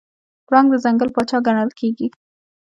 پړانګ د ځنګل پاچا ګڼل کېږي.